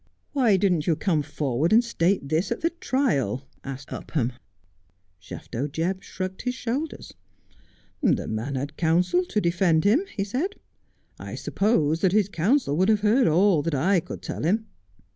' Why didn't you come forward and state this at the trial ?' asked Upham. Shafto Jebb shrugged his shoulders. ' The man had counsel to defend him,' he said. ' I supposed that his counsel would have heard all that I could tell him.'